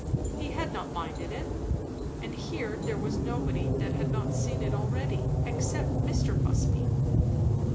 He had not minded it. And here there was nobody that had not seen it already, except Mr. Busby.